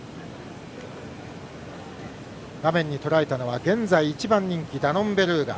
画面に捉えたのは現在１番人気ダノンベルーガ。